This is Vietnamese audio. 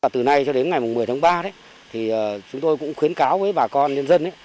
từ nay cho đến ngày một mươi tháng ba chúng tôi cũng khuyến cáo với bà con nhân dân